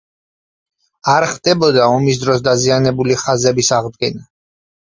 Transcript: არ ხდებოდა ომის დროს დაზიანებული ხაზების აღდგენა.